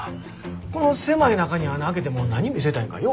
この狭い中に孔開けても何見せたいんかよ